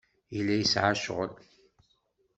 Yella yesɛa ccɣel.